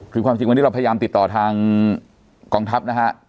คุณค่านิจคุณควรพยายามติดต่อทางกองทัพนะฮะ